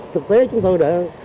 thực tế chúng tôi đã xử lý